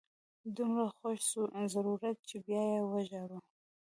دومره خوږ ضرورت چې بیا یې وژاړو.